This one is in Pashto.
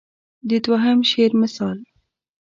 د دوهم شعر مثال.